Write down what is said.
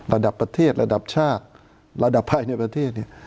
ระดับประเทศระดับชาติระดับภายในประเทศเนี่ย